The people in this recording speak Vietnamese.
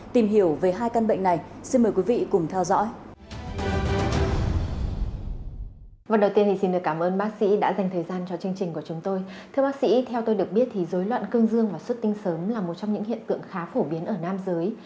thưa quý vị theo tôi được biết thì dối loạn cương dương và xuất tinh sớm là một trong những hiện tượng khá phổ biến ở nam giới